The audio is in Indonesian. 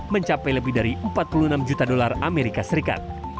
mencapai lebih dari empat puluh enam juta dolar amerika serikat